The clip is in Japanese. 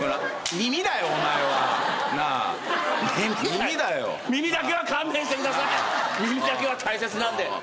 耳だけは大切なんで。